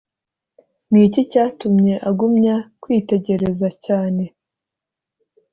Niki cyatumye agumya kwitegereza cyane